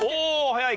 早い。